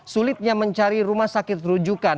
sulitnya mencari rumah sakit terujukan